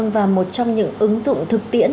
và một trong những ứng dụng thực tiễn